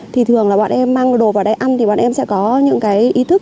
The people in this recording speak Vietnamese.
thì thường là bạn em mang đồ vào đây ăn thì bạn em sẽ có những cái ý thức